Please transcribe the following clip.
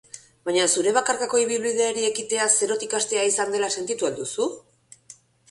Baina zure bakarkako ibilbideari ekitea zerotik hastea izan dela sentitu al duzu?